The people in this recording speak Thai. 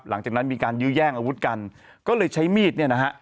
หลังจากนั้นมีการยื้อแย่งอาวุธกันก็เลยใช้มีดเนี่ยนะฮะ